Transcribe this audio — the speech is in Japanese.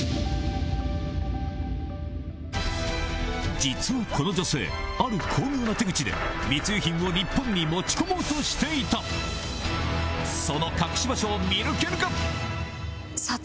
実はこの女性ある巧妙な手口で密輸品を日本に持ち込もうとしていたその隠し場所を見抜けるか？